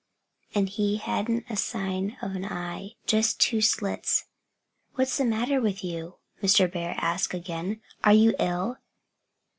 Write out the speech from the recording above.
And he hadn't a sign of an eye just two slits. "What's the matter with you?" Mr. Bear asked again. "Are you ill?